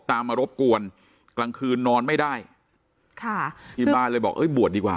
ตามมารบกวนกลางคืนนอนไม่ได้ค่ะที่บ้านเลยบอกเอ้ยบวชดีกว่า